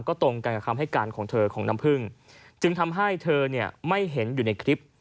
ก็ตรงกันกับคำให้การของเธอของน้ำพึ่งจึงทำให้เธอเนี่ยไม่เห็นอยู่ในคลิป